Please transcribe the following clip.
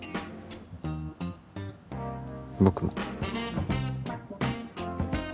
僕も。